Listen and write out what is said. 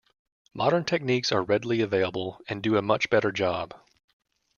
Modern techniques are readily available and do a much better job.